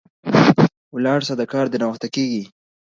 ولاړ سه، د کار دي ناوخته کیږي